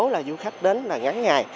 là du khách đến là ngắn ngày